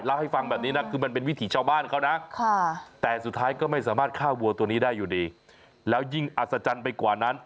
เล่าให้ฟังแบบนี้นะคือมันเป็นวิถีชาวบ้านเขานะค่ะ